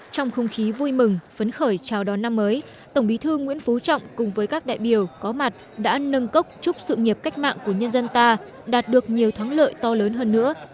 trong không khí vui mừng phấn khởi chào đón năm mới tổng bí thư nguyễn phú trọng cùng với các đại biểu có mặt đã nâng cốc chúc sự nghiệp cách mạng của nhân dân ta đạt được nhiều thắng lợi to lớn hơn nữa